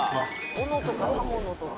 「斧とか刃物とか」